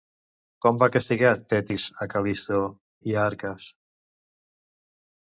Com va castigar Tetis a Cal·listo i Arcas?